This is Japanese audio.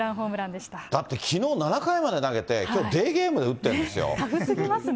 だってきのう７回まで投げてきょう、デーゲームで投げてるんですよ。